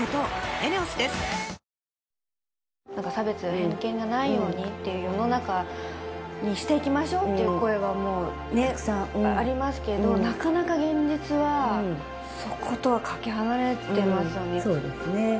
偏見がないようにっていう世の中にしていきましょうという声は、もうたくさんありますけど、なかなか現実は、そことはかけ離そうですね。